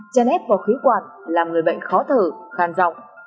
chai nét vào khí quản làm người bệnh khó thở khàn rọng